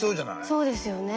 そうですよね。